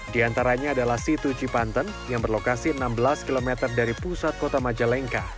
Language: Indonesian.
di antaranya adalah situ cipanten yang berlokasi enam belas km dari pusat kota majalengka